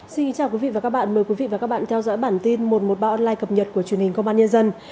xin kính chào quý vị và các bạn mời quý vị và các bạn theo dõi bản tin một trăm một mươi ba online cập nhật của truyền hình công an nhân dân